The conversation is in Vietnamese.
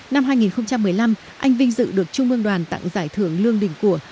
năm hai nghìn một mươi năm anh vinh dự được trung mương đoàn tặng giải thưởng lương đỉnh của